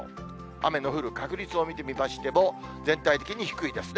雨の降る確率を見てみましても、全体的に低いですね。